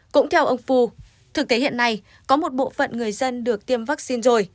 cũng theo ông phu thực tế hiện nay có một bộ phận người dân được tiêm vaccine rồi